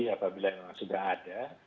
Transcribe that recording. apabila sudah ada